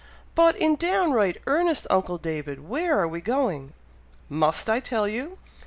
"But in downright earnest, uncle David! where are we going?" "Must I tell you?